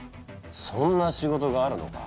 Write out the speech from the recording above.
そんな仕事があるのか。